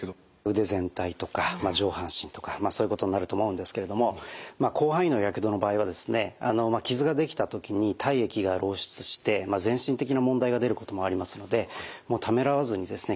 腕全体とか上半身とかそういうことになると思うんですけれども広範囲のやけどの場合はですね傷ができた時に体液が漏出して全身的な問題が出ることもありますのでためらわずにですね